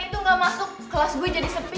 itu gak masuk kelas gue jadi sepi